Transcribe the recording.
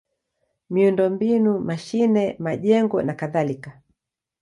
miundombinu: mashine, majengo nakadhalika.